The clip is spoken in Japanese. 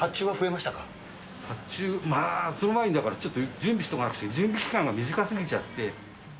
まあ、その前に、ちょっと準備しとかなきゃ、準備期間が短すぎちゃって。